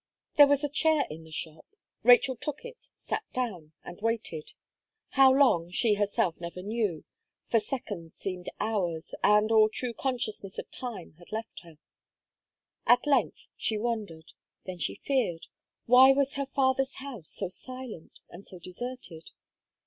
There was a chair in the shop; Rachel took it, sat down, and waited how long, she herself never knew; for seconds seemed hours, and all true consciousness of time had left her. At length, she wondered; then she feared why was her father's house so silent and so deserted?